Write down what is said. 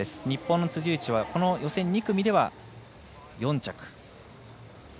日本の辻内はこの予選２組では４着。